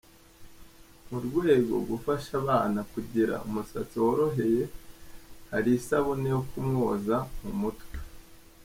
Mu rwego gufasha abana kugira umusatsi worohereye hari isabune yo kumwoza mu mutwe.